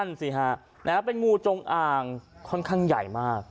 นั่นหรือหรือห่างนะฮะเป็นงูจงอ่างค่อนข้างใหญ่มาก